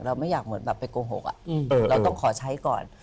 ไม่อยากเหมือนแบบไปโกหกเราต้องขอใช้ก่อน